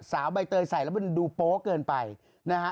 ใบเตยใส่แล้วมันดูโป๊ะเกินไปนะฮะ